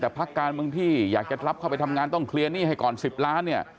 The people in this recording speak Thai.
แต่พักการเมืองที่อยากจะรับเข้าไปทำงานต้องเคลียร์หนี้ให้ก่อน๑๐ล้านเนี่ย